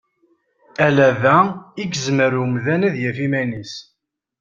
Ala da i yezmer umdan ad yef iman-is.